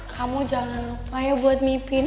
kamu jangan lupa ya buat mimpin